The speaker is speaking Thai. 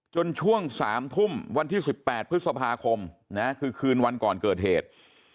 ช่วง๓ทุ่มวันที่๑๘พฤษภาคมนะคือคืนวันก่อนเกิดเหตุ